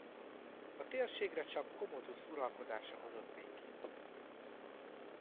A térségre csak Commodus uralkodása hozott békét.